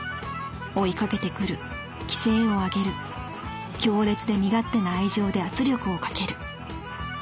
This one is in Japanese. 追いかけてくる奇声を上げる強烈で身勝手な愛情で圧力をかける。